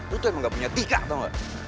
lo tuh emang gak punya etika tau gak